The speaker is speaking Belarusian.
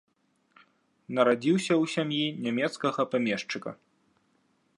Нарадзіўся ў сям'і нямецкага памешчыка.